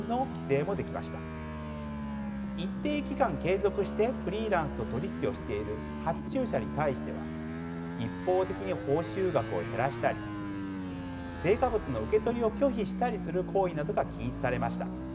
一定期間継続してフリーランスと取り引きをしている発注者に対しては一方的に報酬額を減らしたり成果物の受け取りを拒否したりする行為などが禁止されました。